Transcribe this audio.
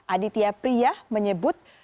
aditya priyah menyebut